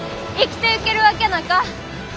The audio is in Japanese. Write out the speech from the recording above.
生きていけるわけなか。